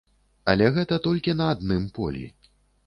Але гэта толькі на адным полі.